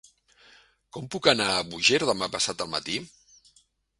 Com puc anar a Búger demà passat al matí?